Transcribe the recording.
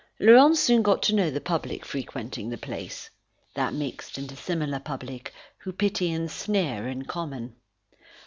Laurent soon got to know the public frequenting the place, that mixed and dissimilar public who pity and sneer in common.